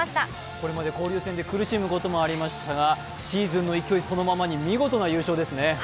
これまで交流戦で苦しむこともありましたがシーズンの勢いそのままに見事な優勝ですね。